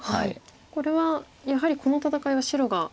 これはやはりこの戦いは白が。